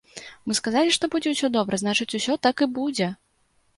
Мы сказалі, што будзе ўсё добра, значыць усё так і будзе!